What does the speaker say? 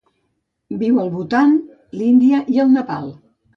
Viu al Bhutan, l'Índia i el Nepal.